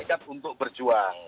rakyat untuk berjuang